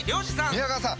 宮川さん